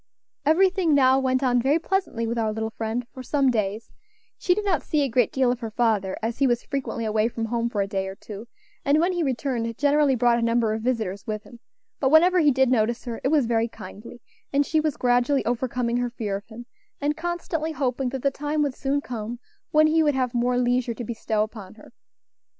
Everything now went on very pleasantly with our little friend for some days; she did not see a great deal of her father, as he was frequently away from home for a day or two, and, when he returned, generally brought a number of visitors with him; but whenever he did notice her it was very kindly, and she was gradually overcoming her fear of him, and constantly hoping that the time would soon come when he would have more leisure to bestow upon her.